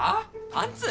パンツ？